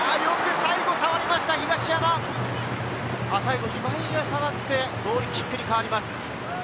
最後、今井が触ってゴールキックに変わります。